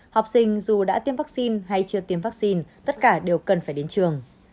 học sinh dù đã tiêm vaccine hay chưa tiêm vaccine tất cả đều cần phải đến trường